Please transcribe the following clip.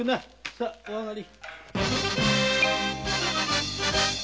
さお上がり。